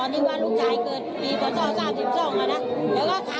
ในบ้านนี้ก็มีลูกจ่ายเป้าอยู่